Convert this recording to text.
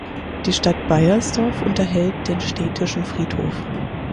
Die Stadt Baiersdorf unterhält den städtischen Friedhof.